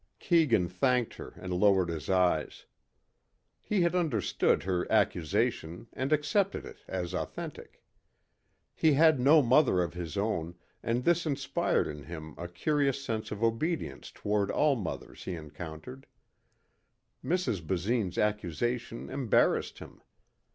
Keegan thanked her and lowered his eyes. He had understood her accusation and accepted it as authentic. He had no mother of his own and this inspired in him a curious sense of obedience toward all mothers he encountered. Mrs. Basine's accusation embarrassed him.